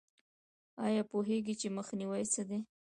ایا پوهیږئ چې مخنیوی څه دی؟